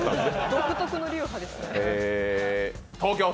独特の流派ですね。